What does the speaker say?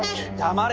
黙れ！